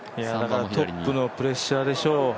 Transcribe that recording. トップのプレッシャーでしょう。